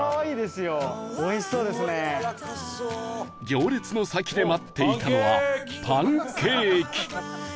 行列の先で待っていたのはパンケーキ